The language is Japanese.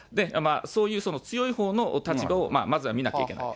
そういう強いほうの立場をまずは見なきゃいけない。